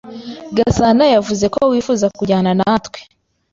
Gasanayavuze ko wifuza kujyana natwe.